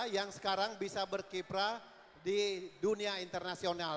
yang sekarang bisa berkiprah di dunia internasional